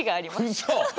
うそ！？